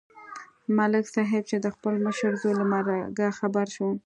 ملک صاحب چې د خپل مشر زوی له مرګه خبر شو